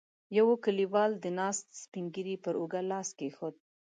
يوه کليوال د ناست سپين ږيری پر اوږه لاس کېښود.